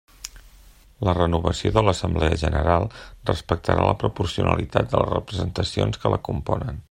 La renovació de l'assemblea general respectarà la proporcionalitat de les representacions que la componen.